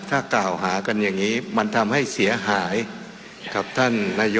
สาวหากันอย่างนี้มันทำให้เสียหาย